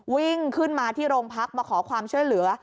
วิ่งขึ้นมาที่โรงพักมาขอความช่วยเหลือ